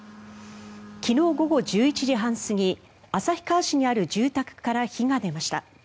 昨日午後１１時半過ぎ旭川市にある住宅から火が出ました。